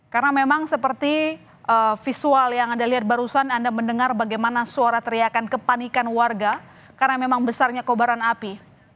karena memang seperti visual yang anda lihat barusan anda mendengar bagaimana suara teriakan kepanikan warga karena memang besarnya kobaran api